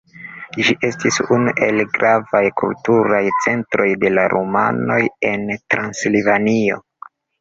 Ĝi estis unu el gravaj kulturaj centroj de la rumanoj en Transilvanio.